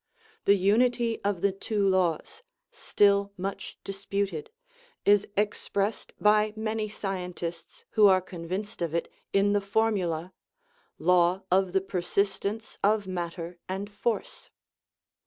The unity of the two laws still much disputed is expressed by many scientists who are convinced of it in the formula :" Law of the persistence of matter and force."